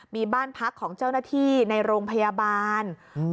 มีบ้านพักของเจ้าหน้าที่ในโรงพยาบาล